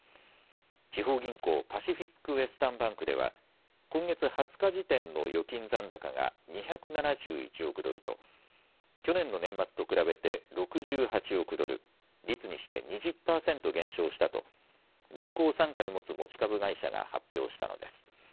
地方銀行、パシフィック・ウェスタン・バンクでは、今月２０日時点の預金残高が２７１億ドルと去年の年末と比べて６８億ドル、率にして２０％減少したと銀行を傘下に持つ持ち株会社が発表したのです。